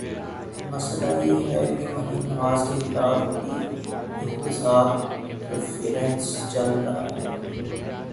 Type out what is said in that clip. مسئلہ یہ ہے کہ مریم نواز کے خلاف بھی احتساب ریفرنس چل رہا ہے۔